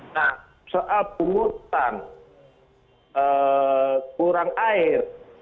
nah soal hutang kurang air